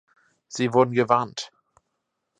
Sie wurden gewarnt!